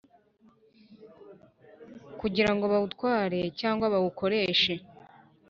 kugira ngo bawutware cyangwa bawukoreshe